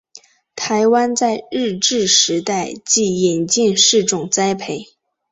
台湾在日治时代即引进试种栽培。